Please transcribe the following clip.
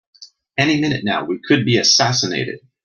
Any minute now we could be assassinated!